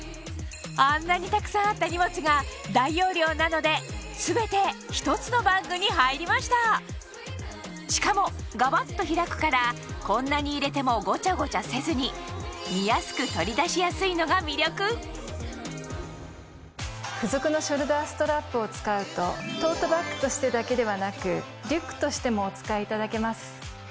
あんなにたくさんあった荷物が大容量なので全て１つのバッグに入りましたしかもガバっと開くからこんなに入れてもごちゃごちゃせずにのが魅力付属のショルダーストラップを使うとトートバッグとしてだけではなくリュックとしてもお使いいただけます。